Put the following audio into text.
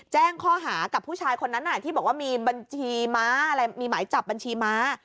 แจ้งข้อหากับผู้ชายคนนั้นที่บอกว่ามีบัญชีม้ามีหมายจับบัญชีม้า